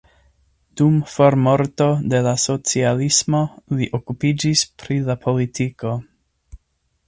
Dum formorto de la socialismo li okupiĝis pri la politiko.